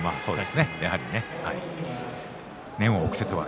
やはりね。